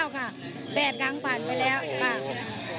ค่ะ๘ครั้งผ่านไปแล้วค่ะ